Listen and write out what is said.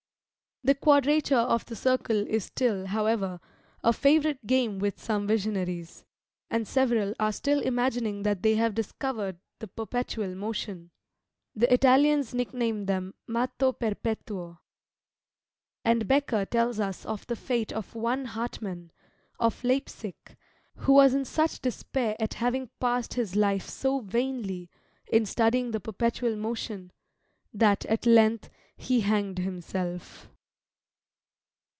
The quadrature of the circle is still, however, a favourite game with some visionaries, and several are still imagining that they have discovered the perpetual motion; the Italians nickname them matto perpetuo: and Bekker tells us of the fate of one Hartmann, of Leipsic, who was in such despair at having passed his life so vainly, in studying the perpetual motion, that at length he hanged himself!